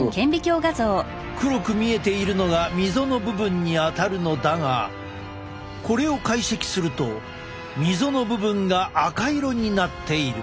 黒く見えているのが溝の部分にあたるのだがこれを解析すると溝の部分が赤色になっている。